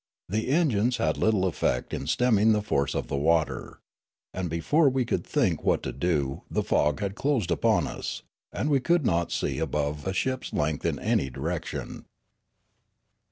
The engines had little effect in stemming the force of the water. And before we could think what to do the fog had closed in upon us, and we could not see above a ship's length in any direction.